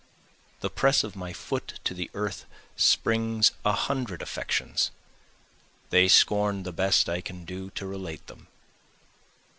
The press of my foot to the earth springs a hundred affections, They scorn the best I can do to relate them.